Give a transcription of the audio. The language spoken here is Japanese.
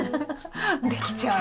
できちゃう。